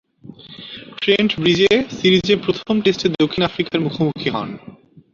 Trent ব্রিজে সিরিজের প্রথম টেস্টে দক্ষিণ আফ্রিকার মুখোমুখি হন।